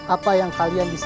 aku mau ke kanjeng itu